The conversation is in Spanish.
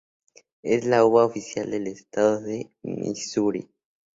Es la uva oficial del estado de Missouri.